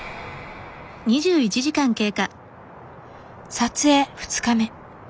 撮影２日目。